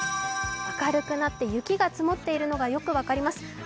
明るくなって雪が積もっているのがよく分かります。